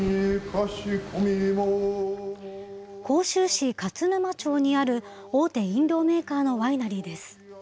甲州市勝沼町にある大手飲料メーカーのワイナリーです。